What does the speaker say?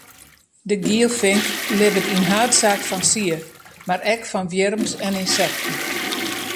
De gielfink libbet yn haadsaak fan sied, mar ek fan wjirms en ynsekten.